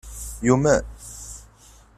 Yumen?